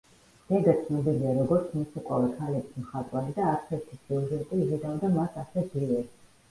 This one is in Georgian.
დეგა ცნობილია როგორც მოცეკვავე ქალების მხატვარი და არც ერთი სიუჟეტი იზიდავდა მას ასე ძლიერ.